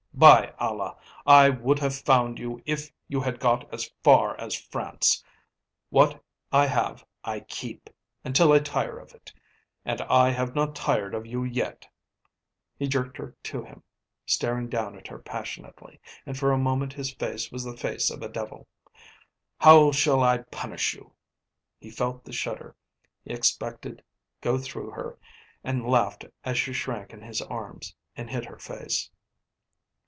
By Allah! I would have found you if you had got as far as France. What I have I keep, until I tire of it and I have not tired of you yet." He jerked her to him, staring down at her passionately, and for a moment his face was the face of a devil. "How shall I punish you?" He felt the shudder he expected go through her and laughed as she shrank in his arms and hid her face.